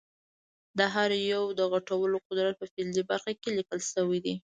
د هر یو د غټولو قدرت په فلزي برخه کې لیکل شوی دی.